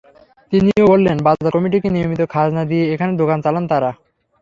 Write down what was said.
তিনিও বললেন, বাজার কমিটিকে নিয়মিত খাজনা দিয়ে এখানে দোকান চালান তাঁরা।